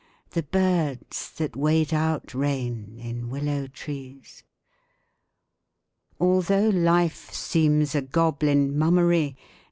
The birds that wait out rain in willow trees. Although life seems a goblin mummery.